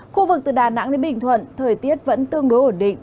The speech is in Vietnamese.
khu vực từ đà nẵng đến bình thuận thời tiết vẫn tương đối ổn định